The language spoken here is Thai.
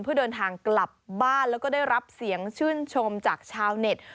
เพื่อเดินทางกลับบ้านแล้วก็ได้รับเสียงชื่นชมจากชาวเน็ต